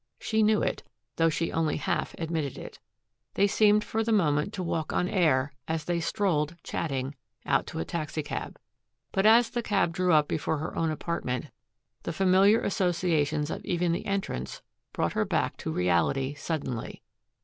She knew it, though she only half admitted it. They seemed for the moment to walk on air, as they strolled, chatting, out to a taxicab. But as the cab drew up before her own apartment, the familiar associations of even the entrance brought her back to reality suddenly.